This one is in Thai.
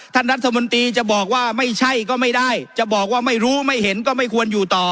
ท่านรัฐมนตรีจะบอกว่าไม่ใช่ก็ไม่ได้จะบอกว่าไม่รู้ไม่เห็นก็ไม่ควรอยู่ต่อ